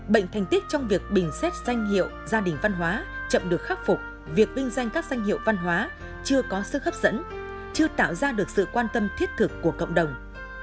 bệnh thành tích trong việc bình xét danh hiệu gia đình văn hóa chậm được khắc phục việc vinh danh các danh hiệu văn hóa chưa có sức hấp dẫn chưa tạo ra được sự quan tâm thiết thực của cộng đồng